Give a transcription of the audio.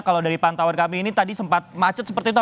kalau dari pantauan kami ini tadi sempat macet seperti itu